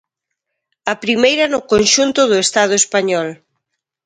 A primeira no conxunto do Estado español.